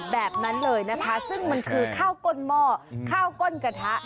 แบบนั้นเลยนะคะซึ่งมันคือข้าวก้นหม้อข้าวก้นกระทะ